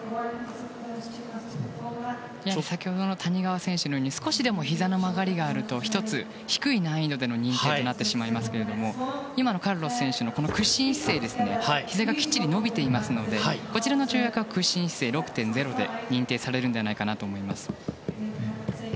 先ほどの谷川選手のように少しでもひざの曲がりがあると１つ低い難易度での認定になりますが今のカルロス選手の屈身姿勢はひざがきっちり伸びていますのでこちらの跳躍は屈身姿勢、６．０で認定されると思います。